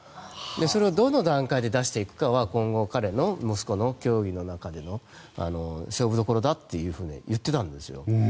どの段階で出していくかは今後、彼の息子の競技の中での勝負どころだと言っていたんですよ。